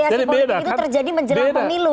relasi politik itu terjadi menjelang pemilu